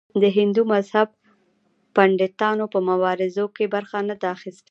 د هندو مذهب پنډتانو په مبارزو کې برخه نه ده اخیستې.